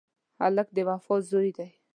هلک د وفا زوی دی.